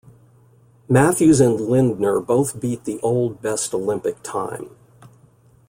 Matthews and Lindner both beat the old best Olympic time.